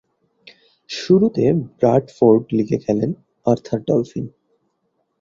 শুরুতে ব্রাডফোর্ড লীগে খেলেন আর্থার ডলফিন।